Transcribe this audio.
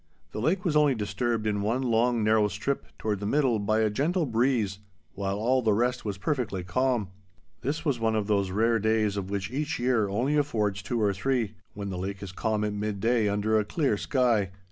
The lake was only disturbed in one long narrow strip toward the middle by a gentle breeze while all the rest was perfectly calm. This was one of those rare days of which each year only affords two or three, when the lake is calm at midday under a clear sky.